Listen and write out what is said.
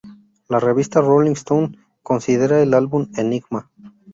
La revista Rolling Stone considera el álbum Enigma!